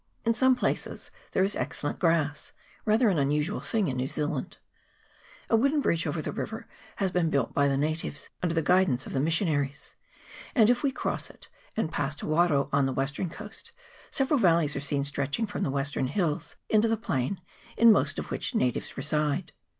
In some places there is excellent grass, rather an unusual thing in New Zealand. A wooden bridge over the river has been built by the natives, under the guidance of the missionaries ; and if we cross it, and pass to Waro on the CHAP. XIII.] NATIVE TRIBES. 217 western coast, several valleys are seen stretching from the western hills into the plain, in most of which natives reside.